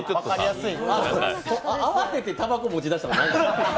慌ててたばこ持ち出したの何ですか？